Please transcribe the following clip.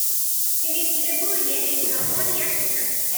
Se distribuye en Japón y África.